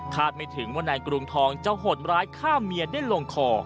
คาดไม่ถึงว่าในกรุงทองเจ้าห่วงร้ายฆ่าเมียได้ลงคอ